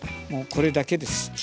もうこれだけです。